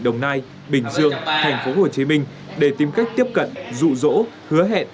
đồng nai bình dương tp hcm để tìm cách tiếp cận dụ dỗ hứa hẹn